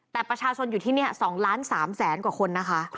แต่ประชาชนอยู่ที่นี่๒๓ล้านกว่าคน